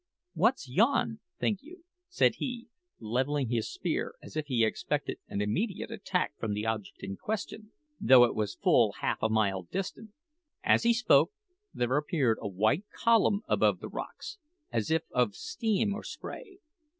"What's yon, think you?" said he, levelling his spear as if he expected an immediate attack from the object in question, though it was full half a mile distant. As he spoke, there appeared a white column above the rocks, as if of steam or spray.